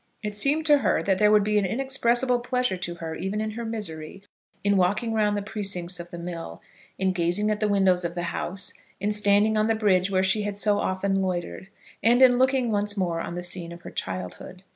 It seemed to her that there would be an inexpressible pleasure to her, even in her misery, in walking round the precincts of the mill, in gazing at the windows of the house, in standing on the bridge where she had so often loitered, and in looking once more on the scene of her childhood.